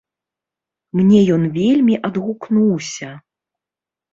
Мне ён вельмі адгукнуўся.